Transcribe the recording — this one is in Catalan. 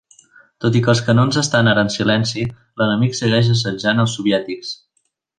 Tot i que els canons estan ara en silenci, l'enemic segueix assetjant als soviètics.